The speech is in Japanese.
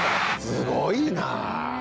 すごいなぁ。